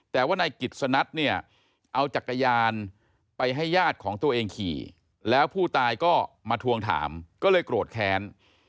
แต่ว่านายกิจสนัทเนี่ยเอาจักรยานไปให้ญาติของตัวเองขี่แล้วผู้ตายก็มาทวงถามก็เลยโกรธแค้น